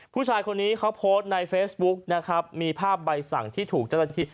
ผู้ชายคนนี้เขาโพสต์ในเฟซบุ๊กนะครับมีภาพใบสั่งที่ถูกเจ้าหน้าที่